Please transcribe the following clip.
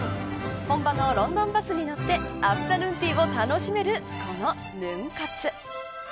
本場のロンドンバスに乗ってアフタヌーンティーを楽しめるこのヌン活。